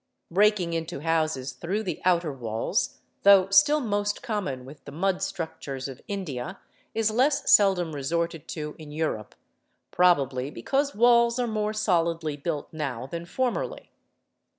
Breaking into houses through the outer walls, though still most common with the mud structures of India, is less seldom resorted to in Europe, probably because walls are more solidly built now than formerly.